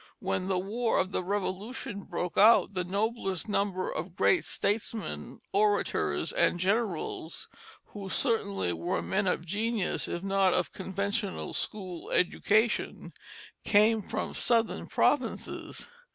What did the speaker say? When the war of the Revolution broke out, the noblest number of great statesmen, orators, and generals, who certainly were men of genius if not of conventional school education, came from the southern provinces.